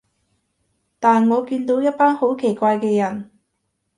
但我見到一班好奇怪嘅人